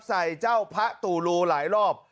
ใส่เจ้าพระตุรูหลายรอบ